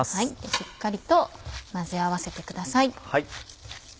しっかりと混ぜ合わせてください。